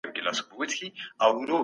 علماوو د ټولنې لپاره ډېر کتابونه ولیکل.